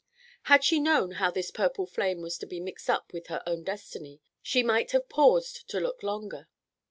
Had she known how this purple flame was to be mixed up with her own destiny, she might have paused to look longer.